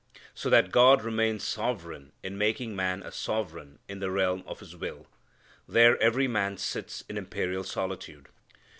So that God remains sovereign in making man a sovereign in the realm of his will. There every man sits in imperial solitude.